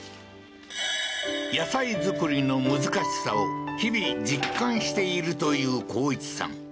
野菜作りの難しさを日々実感しているという耕一さん